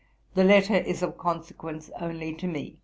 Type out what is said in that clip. The letter is of consequence only to me.